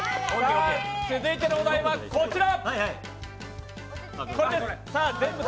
続いてのお題はこちら。